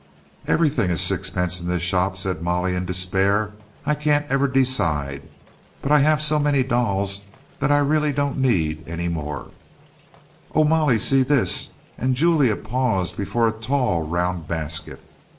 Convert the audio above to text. "Everything is sixpence in this shop," said Molly, in despair. "I can't ever decide; but I have so many dolls that I don't really need any more." "Oh, Molly, see this!" and Julia paused before a tall round basket.